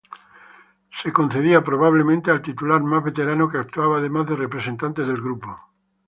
Se concedía probablemente al titular más veterano que actuaba además de representante del grupo.